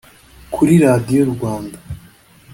Kuri Radiyo Rwanda